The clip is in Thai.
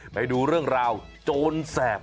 ไปดูเรื่องราวโจรแสบ